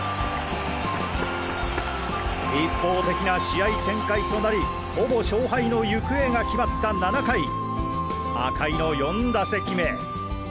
一方的な試合展開となりほぼ勝敗の行方が決まった７回赤井の４打席目。